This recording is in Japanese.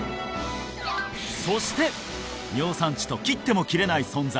そして尿酸値と切っても切れない存在